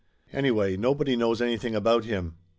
Anyway nobody knows anything about him.